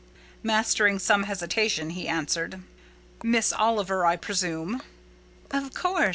Mastering some hesitation, he answered, "Miss Oliver, I presume." "Of course.